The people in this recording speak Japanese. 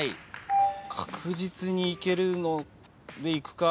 確実にいけるのでいくか。